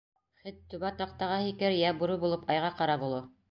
Хет түбә таҡтаға һикер, йә бүре булып айға ҡарап оло...